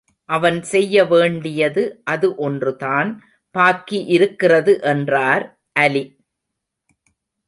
அவன் செய்ய வேண்டியது அது ஒன்றுதான் பாக்கியிருக்கிறது என்றார் அலி.